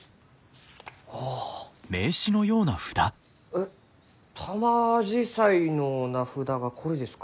えっタマアジサイの名札がこれですか？